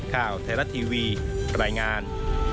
ข่าวไทยรัฐทีวีรายงาน